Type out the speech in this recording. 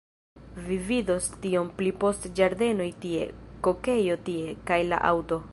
Vi vidos tion pli poste ĝardenoj tie, kokejo tie, kaj la aŭto...